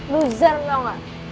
loser tau gak